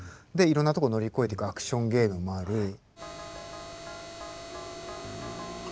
でいろんなとこ乗り越えてくアクションゲームもある。